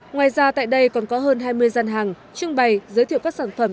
ngoài ra tại đây còn có hơn hai mươi gian hàng trưng bày giới thiệu các sản phẩm